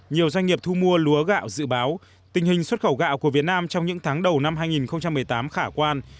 nhiều doanh nghiệp thu mua lúa gạo dự báo tình hình xuất khẩu gạo của việt nam trong những tháng đầu năm hai nghìn một mươi tám khả quan